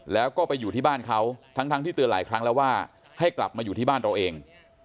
แล้วก็ไปอยู่ที่บ้านเขาทั้งที่เตือนหลายครั้งแล้วว่าให้กลับมาอยู่ที่บ้านเราเอง